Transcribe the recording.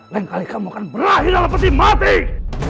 lain kali kamu akan berakhir dalam peti mati